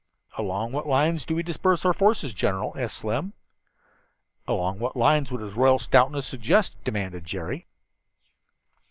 "Along what lines do we disperse our forces, General?" asked Slim. "Along what lines would His Royal Stoutness suggest?" demanded Jerry.